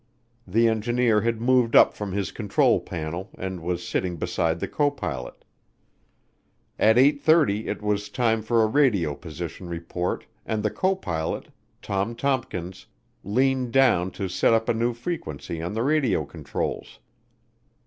The engineer had moved up from his control panel and was sitting beside the co pilot. At 8:30 it was time for a radio position report and the co pilot, Tom Tompkins, leaned down to set up a new frequency on the radio controls.